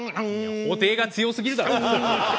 布袋が強すぎるだろ！